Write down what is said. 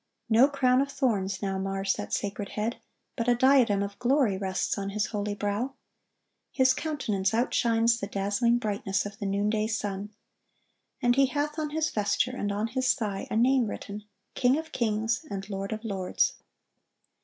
No crown of thorns now mars that sacred head, but a diadem of glory rests on His holy brow. His countenance outshines the dazzling brightness of the noonday sun. "And He hath on His vesture and on His thigh a name written, King of kings, and Lord of lords."